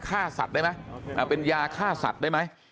ฆ่าสัตว์ได้ไหมเป็นยาฆ่าสัตว์ได้ไหม